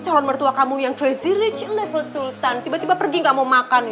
calon mertua kamu yang crazy rich level sultan tiba tiba pergi gak mau makan